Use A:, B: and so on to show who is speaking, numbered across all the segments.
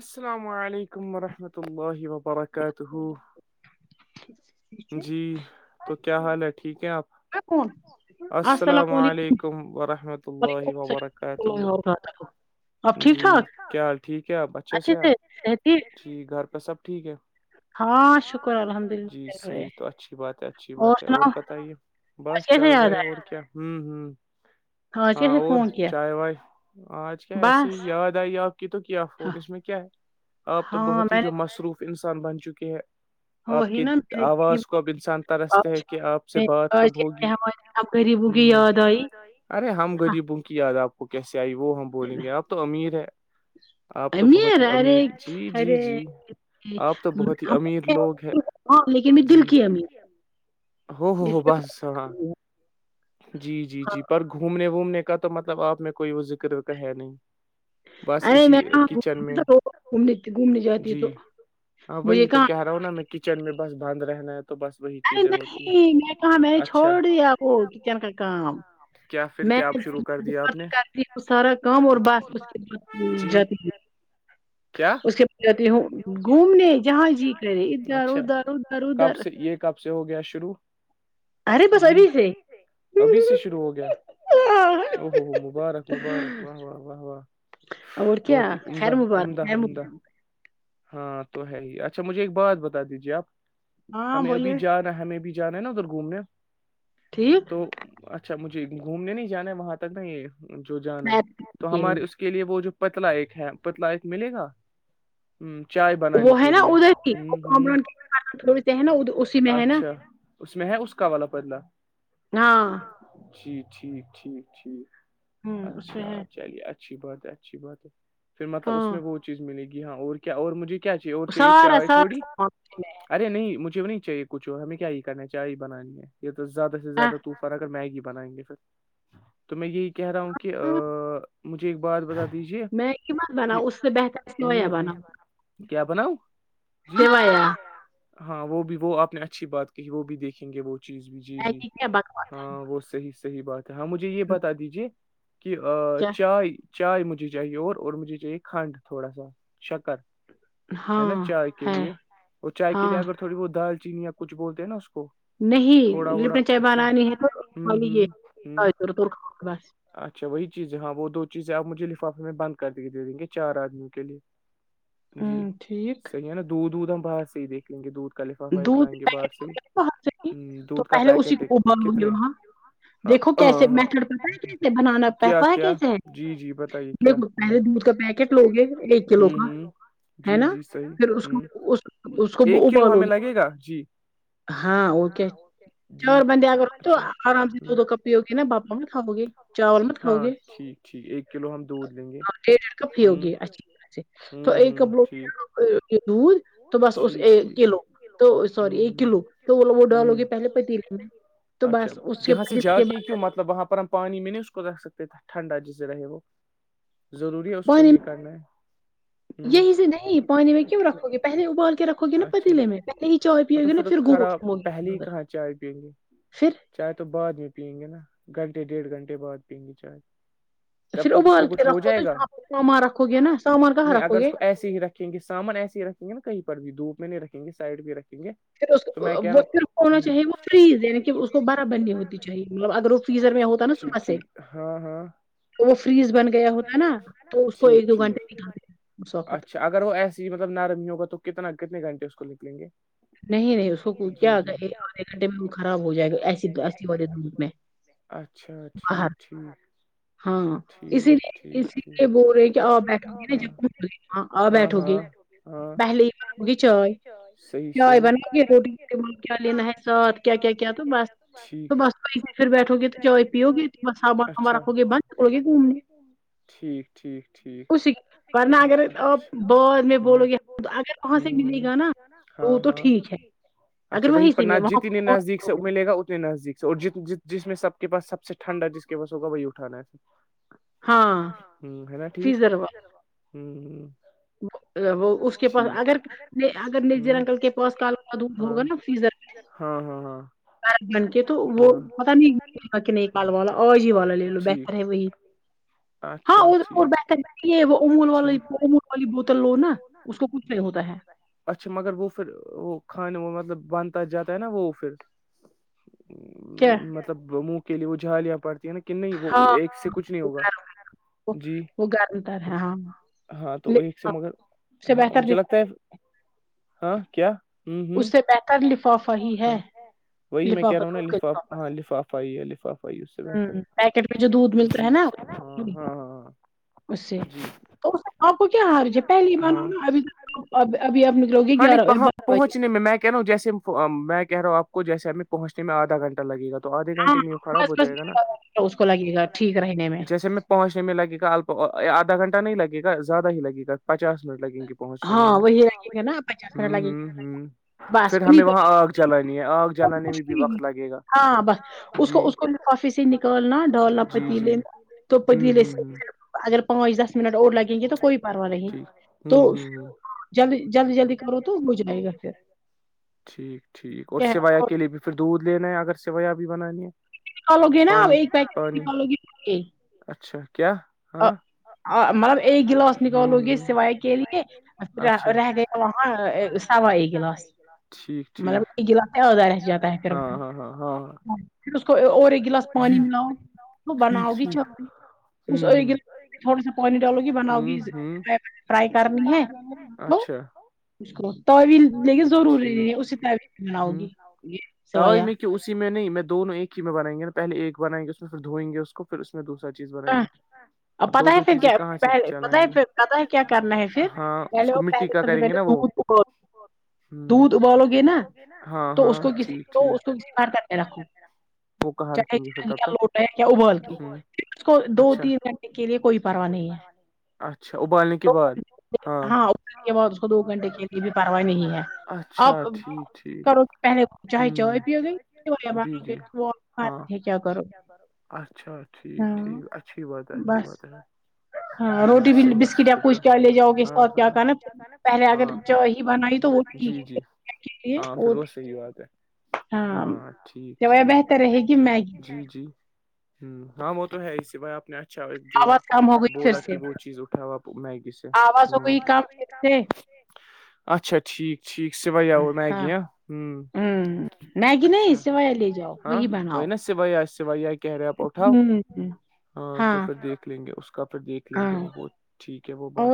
A: اسلام علیکم ورحمۃ اللہ وبرکاتہ جی تو کیا حال ہے ٹھیک ہے آپ
B: کون
A: اسلام علیکم ورحمۃ اللہ وبرکاتہ جی کیا حال ٹھیک ہے آپ بچے سے جی گھر پہ سب ٹھیک ہے
B: ہاں شکر الحمد اللہ
A: صحیح تو اچھی بات ہے اچھی بات ہے اور بتائیے بس چل رہا ہے اور کیا ہوں ہ ہاں اور چائے وائے آج کیا ایسیے ہی یاد آئی آپ کی تو کیا فون اس میں کیا ہے آپ تو بہت ہی جو مصروف انسان بن چکے ہیں
B: وہی نا
A: آواز کو اب انسان ترستے ہیں کہ آپ سے بات کب ہوگی ہ ارے ہم غریبوں کی یاد آپ کو کیسے آئی وہ ہم بولینگے آپ تو امیر ہے
B: امیر ارے ارے ہاں لیکن بھی دل کی امیر
A: جی جی جی پر گھومنے ومنے کا تو مطلب آپ میں کوئی وہ ذکر فکر ہے نہیں
B: ارے میں کہاں گھومنے جاتی تو مجھے کہاں
A: نا میں کچن میں بس بند رہنا ہے تو بس وہی
B: نہیں نہیں میں کہا میں نے چھوڑ دیا وہ کچن کا کام میں کرتی ہوں سارا کام اور بس اس جاتی ہی اس کے بعد جاتی ھم گھومنے جہاں جی کرے ادھر ادھر ادھر ادھر
A: کب سے ہو گیا شروع
B: ارے بس ا بھی سے
A: ابھی سے شروع ہو گیا او ہوو ہو مبارک مبارک واہ واہ واہ واہ
B: اور کیا خیر مبارک
A: ہاں تو ہے ہی اچھا مجھے ایک بات بتا دیجیے آپ ہمیں ابھی جا ہمیں بھی جانا نا ادھر گھومنے
B: ٹھیک
A: تو اچھا مجھے گھومنے نہیں جانا ہے وہاں تک نہ یہ جو جانا ہے تو ہمارے اس کے لیے وہ جو پتلا ایک ہے پتلا ایک ملے گا
B: وہ ہے نا ادھر تھوڑی سے ہے نا اسی میں ہے نا
A: اس میں ہے اس کا والا پتلا
B: ہاں
A: جی ٹھیک ٹھیک ٹھیک اچھا چلیے اج اچھی بات ہے اچھی بات ہے پھر مطلب اس میں وہ چیز ملے گی ہاں اور کیا اور مجھے کیا چاہیے اور چاہیے چائے تھوڑی ارے نہیں مجھے بھی نہیں چاہیے کچھ اور ہمیں کیا یہ کرنا ہے چائے بنانی ہے یہ تو زیادہ سے زیادہ توف میگی بنائیں گے پھر تو میں یہی کہہ رہا ہوں کہ مجھے ایک بات بتا
B: میگی مت بناؤں اس سے بہتر سویا بناؤں سویا
A: ہاں وہ بھی وہ آپ نے اچھی بات کہی وہ بھی دیکھیں گے وہ چیز بھی جی جی ہاں وہ صحیح صحیح بات ہے ہاں مجھے یہ بتا دیجیے کہ چائے چائے مجھے چاہیے اور مجھے چاہیے کھنڈ تھوڑا سا شکر ہے نا چائے کے لیے اور چائے کے لیے اگر تھوڑی بہت دال چینی یا کچھ بولتے ہےنا اس کو
B: نہیں لپٹ چائے بنانی ہے تو خال [unintelligible] ی یہ بس
A: اچھا وہی چیزیں ہاں وہ دو چیزیں آپ مجھے لفافے میں بند کر کے کےدے دیں گے چار آدمی کے لیے جی صحیح ہے نا دودھ ودودھ ہم باہر سے ہی لیں گے دودھ کا لفافہ ایک لائیں گے باہر سے ہ
B: پہلے اسی کو ابر ہو ہو نا دیکھو کیسے میتھڈ پتا ہے کیسے بنانا پتا ہے کیسے دیکھو پہلے دودھ کا پیکٹ لو گے ایک کلو کا ہے نا پھر اس کو اس کو ابالوگی
A: لگے گا جی
B: ہاں وہ کیا چار بندے اگر ہو تو آرام سے دو دو کپ پیو گے نا باپا کھاؤ گے چاول مت کھاؤ گے
A: ٹھیک ٹھیک ایک
B: ہاں دیڑھ ڈیڑھ کپ پیو گے اچھی طرح سے تو ایک کپ لوگے نا پھر [inaudible] دودھ تو بس اس ایک کلو تو سوری ایک کلو تو وہ وہ ڈالو گے پہلے پتیلی میں تو بس اس کے بعد
A: مطلب وہاں پر ہم پانی میں نہیں اس کو رکھ سکتے تھے ٹھنڈا جس سے رہے وہ ضروری ہے اس کو یہ کرنا ہے ہوں
B: پانی میں ک کیوں رکھو گے پہلے ابال کے رکھو گے نا پتیلے میں پہلے ہی چائے پیے گے نا پھر گوشت مانگے گے پھر
A: چائے تو بعد میں پیئیں گے نا گھنٹے ڈیڑھ گھنٹے بعد پئیں گے چائے جب تک اس کو کچھ ہو جائے گا نہیں اگر اس کو ایسے ہی رکھ رکھیں گے سامان ایسے ہی رکھیں گے نہ کہیں پر بھی دھوپ میں نہیں رکھیں گے سائڈ بھی رکھیں گے
B: پھر اس کو [unintelligible] وہ صرف ہونا چاہیے وہ فریز یعنی کہ اس کو برابر نہیں ہوتی چاہیے مطلب اگر وہ فریزر میں ہوتا نا
A: ٹھیک ٹھیک ہاں ہاں
B: تو وہ فریج بن گیا ہوتا نا تو اس کو ایک دو گھنٹے نکالنے میں ہوتے اس وقت
A: اگر وہ ایسے ہی مطلب نرم ہی ہوگا تو کتنا کتنے گھنٹے اس کو نکلنے گے
B: نہیں رے اس کو کیا کہے آدھے گھنٹے میں وہ خراب ہو جائے گا ایسی ایسی والے دھوپ میں
A: اچھا ٹھیک ٹھیک
B: ہاں اسی اسی لیے بول رہے ہیں کہ آپ بیٹھو گے نا جب بول رہے ہاں آ بیٹھو گے پہلے ہوگی چائے چائے بناو گےہ [unintelligible] ے ساتھ کیا کیا تو بس [unintelligible] تو بس پھر بیٹھو گے تو چائے پیؤ گے بسا برب رکھو گ بندکڑ گھوم
A: ٹھیک ٹھیک ٹھیک
B: ورنہ اگر آپ بعد میں بولو گے اگر وہاں سے ملے گا نا
A: ہاں ہاں اچھا وہیں پر نا جتنے نزدیک سے ملے گا اتنے نزدیک اور ج ج جس میں سب کے پاس سب سے ٹھنڈا جس کے پاس ہوگا وہی اٹھانا ہے ہاں ہ ہے نا ٹھیک ہوں ہ
B: وہ اس کے پاس اگر اگر نلجیر انکل کے پاس کل کا دودھ ہوگا نا فیزر میں
A: ہاں ہاں ہاں
B: پ بن کے تو وہ پتہ نہیں ہے کہ نہیں کل والا آج ہی والا لے لو بہتر ہے وہی ہاں وہ بہتر ہی ہے جیسے وہ امول والی امول والی بوتل لو نا اس کو کچھ نہیں ہوتا ہے
A: اچھا مگر وہ پھر وہ کھانے میں مطلب بنتا جاتا ہے نا وہ وہ پھر ہ
B: کیا
A: مطلب منہ کے لیے وہ جھالیاں پڑتی ہیں نا کہ نہیں وہ ایک سے کچھ نہیں ہوگا
B: وہ گرمتر ہے ہاں [unintelligible]
A: ہاں مجھے لگتا ہے ہاں کیا ہ ہ وہی میں کہہ رہا ہوں نا لفاف ہاں لفاف فا ہی لفاف اس سے بتر ہے جی ہاں ہاں جی
B: تو اس آپ کو کیا ہارج ہے پہلی بناؤ نا ابھی ابھی آپ نکلو گے گیارہ بارہ بجے
A: کہ رہاوں جیسے میں کہ رہا ہوں آ پ کو جیسے ہمیں پہنچنے میں ابھی آدھا گھٹہ لگے گا تو آدھے گھنٹےمیں وہ خراب ہو جائے گا نا جیسے میں پہنچنے میں لگےا اپ آدھا گھنٹہ نہیں لگےا زیادہ ہی لگے گا پچاس منٹ لگیں گے
B: ہاں وہی لگیں گے نا پچاس منٹ لگیں گے بس ان پ س ہاں بس اس کو اس [inaudible] کافی سے ہی نکالنا ڈالنا پتیلے میں [unintelligible] تو پتیلےسے اگر پانچ دس منٹ اور لگے کہ تو کوئی پروا نہیں ہے
A: ٹھیک ہوں ہوں ٹھیک ٹھیک اور سوایا اکلے پھر دودھ لینا ہے اگر سیویا بھی بنالی
B: لو گے نا ایک پیکٹ [unintelligible] لوگ
A: اچھا کیا
B: مطلب ایک گلاس نکالو گے اس سوائے کے لیے پھر رہ گیا وہاں سوا ایک گلاس مطلب گلاسہ ہوزا رہ جاتا ہے پھر پھر اس کو اور ایک گلاس پانی ملاؤ تو بناؤ گی چاول اس تھوڑا سا پانی ڈالو گی بناؤ گی فرائی کرنی ہے
A: اچھا
B: اس کو تو بھی لے کے ضروری ہے اسی طرح ہوگی سویاں
A: اسی میں نہیں میں دونوں ایک ہی میں بنیں گے نا پہے ایک بنائیں گے اس میں پھر دوئیں گے اس کو پھر اس میں دوسرا چیز بنائیں گے دو دو چیزیں کہاں سے چلائیں گے ہاں اس کو مٹی کا کریں گے نا وہ ب
B: دودھ ابالو گے نا تو اس کو کسی کو اس کو اسکار کرنے رکھو چاہے لوٹا ہے کیا ابال کے اس کو دو تین گھنٹے کے لیے کوئی پرواہ نہیں ہے
A: اچھا ابالنے کے بعد ہاں
B: کے بعد اس کو دو گھٹے یہ بھی پروائی نہیں ہے آپ کرو پہلے چاہے چائے پیو گے کیا کرو
A: اچھا ٹھیک ٹھیک اچھی بات ہے اچھی بات ہے
B: ہاں روٹی بھی بسکٹ یا کچھ کیا لے جاؤ گے اس س کیا کر نا پھر پہلے اگر چاہی
A: جی جی ہاں پھر وہ صحیح بات ہے ہاں ٹھیک ٹھیک جی جی ہ ہاں وہ تو ہے ہی سی بائی آ نے اچھا ایک جو ہے بولا کہ وہ چیز اٹھاو میگی سے
B: [unintelligible]
A: اچھا ٹھیک ٹھیک سویا وہ مگیا
B: ہوں میگی نہیں سویا لے جاؤ وہی بناؤ
A: سویا سوائ کہہ رہے ہیں آپ اٹاؤ ہاں تو پھر دیکھ لیں گے اس کا پھر دیکھ لیں گے وہ وہ ٹھیک ہے وہ بات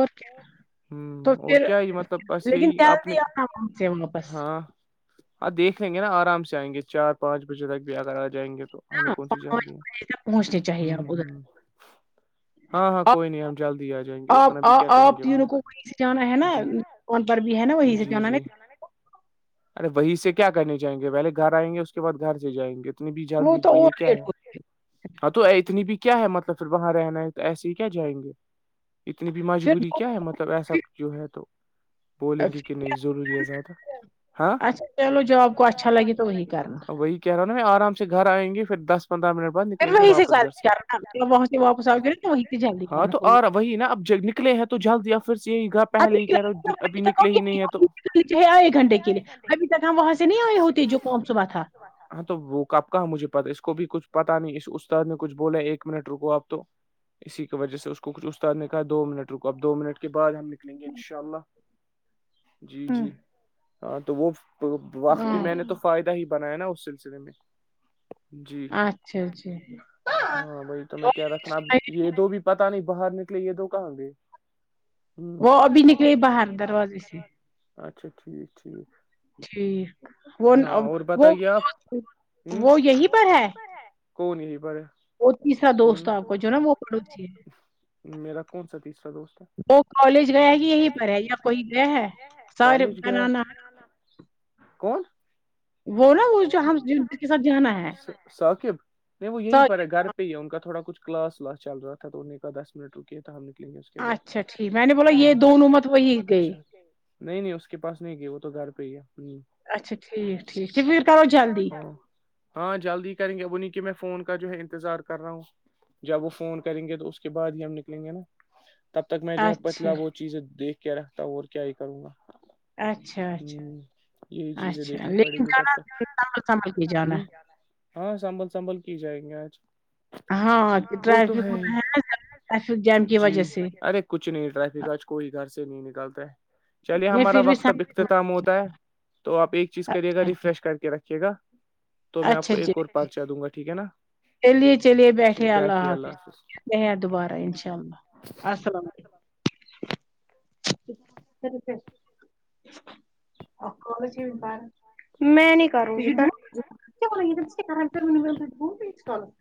A: ہوں اور کیا یہ مطلب
B: جلدی آنا پہنچے واپس
A: ہاں دیکھ لیں گے نا آرام سے آئیں گے چار پانچ بجے تک بھی اگر آ جائیں گے تو آگے کون سی جال دوں ھمم ھمم ہاں ہاں کوئی نہیں ہم جلدی آ جائیں گے اتنا بھی کیا کہے گے وہاں پر جی
B: فون پر بھی ہے نا وہی سے [unintelligible]
A: ارے وہیں سے کیا کرنے جائیں گے پہلے گھر آئیں گے اس کے بعد گھر سے جائیں گے اتنی بھی جلدی یہ کیا ہے ہاں تو اتنی بھی کیا ہے مطلب پھر وہاں رہنا ہے تو ایسے ہی کیا جائیں گے اتنی بھی مجبوری کیا ہے مطلب ایسا جو ہے تو بولیں گے کہ نہیں ضروری ہے زیادہ
B: اچھا چلو جوب کو اچھا لگے تو وہی کرنا
A: که رہا نا میں آرام سے گھر آیں گے پھر دس پندرہ منٹ بعد نکلیں گے واپس گھر سے ہاں تو آرہ وہی نا اب نکلے ہیں تو جلد یا پھر سے یہی گا پہلے ہی کہہ رہا
B: ھی تکے آئے [unintelligible] ایک گھنٹے کے لیے ابھی تک ہم وہاں سے نہیں آئے ہوتے جو کون صبح تھا
A: ہاں تو وہ کب کا مجھے پتا اس کو بھی کچھ پتا نہیں اس استاد میں کچھ بولے ایک منٹ رکو آپ تو اسی کی وجہ سے اس کو کچھ استاد نےکہا دو منٹ رکو اب دو منٹ کے بعد ہم نکلیں گے انشاء اللہ جی جی ہاں تو وہ وقت بھی میں نے تو فائدہ ہی بنا ہے نا اس سلسلے میں جی ہاں وہی تو میں کہرہا تھا اب یہ دو بھی پتا نہیں باہر نکلے یہ دو کہاں گے ہمم
B: اور بھی نکلیے باہر
A: اچھا ٹھیک ٹھیک
B: ٹھیک وہ وہ وہ یہی پر ہے
A: کون یہی پر ہے ہمم میرا کون سا تیسرا دوست ہے
B: وہ کالج گیا کہ یہی پر ہے یا کوئی گیا ہے سر بنانا ہے
A: کون ثاقب نہیں وہ یہی پر ہے گھر پ ان کا تھوڑا کچھ کلاس ولاس چل رہا تھا تو انہیں کا دس منٹ کیا تھا ہم نکلیں گے اس کے بعد [unintelligible] ب یہ دونوں مت [unintelligible] نہیں نہیں اس کے پاس نہیں گے وہ تو گھر پہ ہی ہے
B: اچھا ٹھیک
A: [unintelligible] ج پھر کا ہو کیا [unintelligible] ہاں جلد ہی کریں گے انہیں کے میں فون کا جو ہے انتظار کر رہا ہوں جب وہ فون کریں گے تو اس کے بعد ہی ہم نکلیں گے نا تب تک میں جو ہے پتلا وہ چیزیں دیکھ کے رکھتا ہوں اور کیا ہی کروں گا
B: اچھا اچھا اچھا لیکن جانا سنبھل سنبھل کے جانا
A: ہاں سنبھل سنبھل کی جائیں گے آج
B: ہاں [unintelligible] افک م ہے
A: جی ارے کچھ نہیں ٹریفک آج کوئی گھر سے نہیں نکالتا ہے چلیے ہمارا وقت اب اختتام ہوتا ہے تو آپ ایک چیز کریے گا ریفریش کر کے رکھیے گا تو میں آپ کو ایک اور پرچا دوں گا ٹھیک ہے نا
B: چلیے چلیے بیٹھے اللہ حافظ ملتے ہے دوبارہ انشاء اللہ السلام علیکم [unintelligible] آ کرچ بر میں نہیں کروں گی [unintelligible]